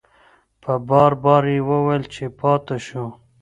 په بار بار یې وویل چې پاتې شو.